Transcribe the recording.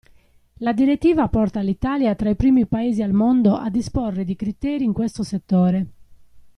La direttiva porta l'Italia tra i primi Paesi al mondo a disporre di criteri in questo settore.